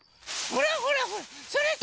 これ。